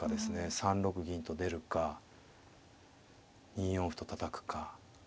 ３六銀と出るか２四歩とたたくか。